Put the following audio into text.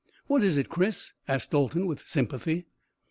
"What is it, Chris?" asked Dalton with sympathy.